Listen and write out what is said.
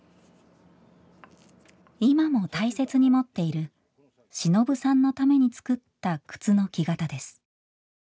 今も大切に持っているしのぶさんのために作った靴の木型です。